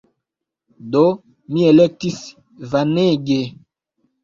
Do, mi elektis Vanege!